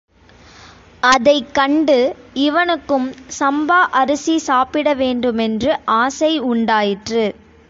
அதைக் கண்டு இவனுக்கும் சம்பா அரிசி சாப்பிட வேண்டுமென்று ஆசை உண்டாயிற்று.